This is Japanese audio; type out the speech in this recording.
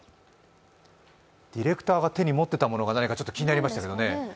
ディレクターが手に持っていたものが気になりましたけどね。